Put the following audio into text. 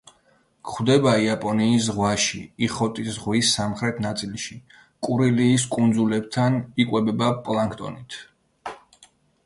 გვხვდება იაპონიის ზღვაში, ოხოტის ზღვის სამხრეთ ნაწილში, კურილის კუნძულებთან, იკვებება პლანქტონით.